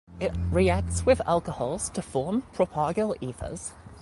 It reacts with alcohols to form propargyl ethers.